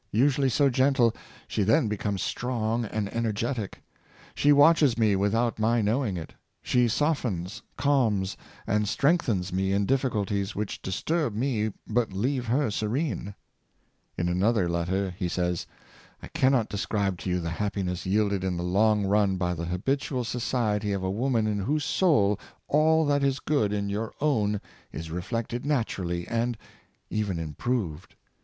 Usually so gentle, she then becomes strong and energetic. She watches me without my knowing it; she softens, calms, and strengthens me in M, Guizofs Noble Wife. 573 difficulties which disturb nie but leave her serene." In another letter he says; "I can not describe to you the happinessiyielded in the long run by the habitual so ciety of a woman in whose soul all that is good in your own is reflected naturally, and even improved.